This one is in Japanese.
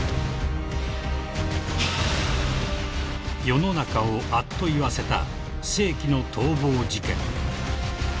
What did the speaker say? ［世の中をあっと言わせた世紀の逃亡事件］